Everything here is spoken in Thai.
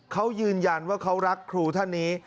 เขายืนยันว่าเขารักครูท่านนี้